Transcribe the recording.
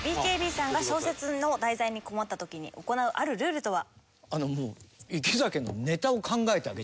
ＢＫＢさんが小説の題材に困った時に行うあるルールとは？